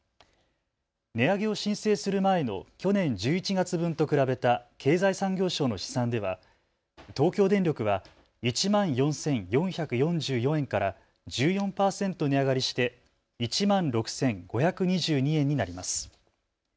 値上げを申請する前の去年１１月分と比べた経済産業省の試算では東京電力は１万４４４４円から１４％値上がりして１万６５２２円になります。